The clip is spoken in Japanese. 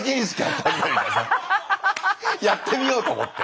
やってみようと思って。